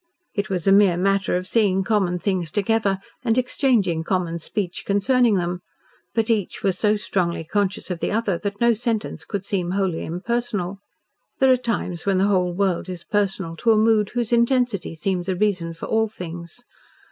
It was a mere matter of seeing common things together and exchanging common speech concerning them, but each was so strongly conscious of the other that no sentence could seem wholly impersonal. There are times when the whole world is personal to a mood whose intensity seems a reason for all things.